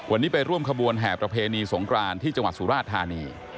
วันนี้ไปร่วมขบวนแห่ประเพณีสงครานที่จังหวัดสุราชธานี